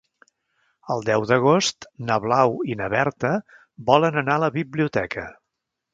El deu d'agost na Blau i na Berta volen anar a la biblioteca.